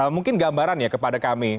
mungkin gambaran ya kepada kami